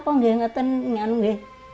kota ini tidak